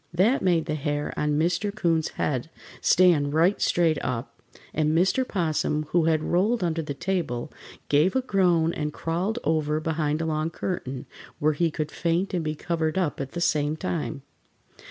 That made the hair on Mr. 'Coon's head stand right straight up, and Mr. 'Possum, who had rolled under the table, gave a groan and crawled over behind a long curtain, where he could faint and be covered up at the same time.